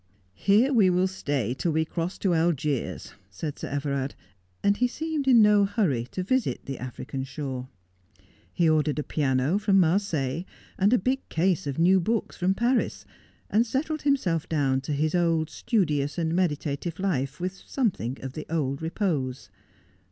'Here we will stay till we cross to Algiers,' said Sir Everard, and he seemed in no hurry to visit the Afrioau shore. He ordered a piano from Marseilles, aud a big case of new books from Paris, and settled himself down to his old studious and meditative life, with something of the old repose.